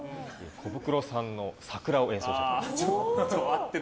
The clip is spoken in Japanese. コブクロさんの「桜」を演奏します。